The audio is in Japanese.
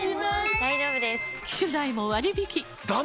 大丈夫です！